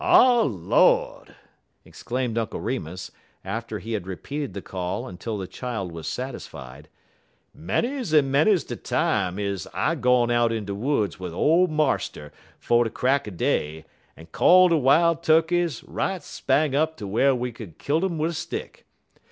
"Ah, Lord!" exclaimed Uncle Remus, after he had repeated the call until the child was satisfied, "manys en manys de time is I gone out in de woods wid old marster 'fo' de crack er day en call de wile turkeys right spang up ter whar we could er kilt um wid a stick.